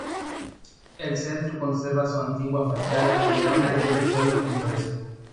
El centro conserva su antigua fachada que le da un aire de pueblo pintoresco.